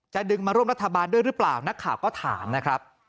ดึงมาร่วมรัฐบาลด้วยหรือเปล่านักข่าวก็ถามนะครับ